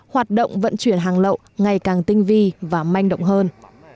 hoạt động vận chuyển hàng lậu ngày càng tinh vi và manh động hơn